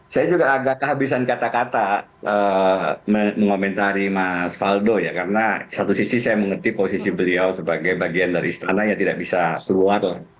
saya juga agak kehabisan kata kata mengomentari mas faldo ya karena satu sisi saya mengerti posisi beliau sebagai bagian dari istana ya tidak bisa keluar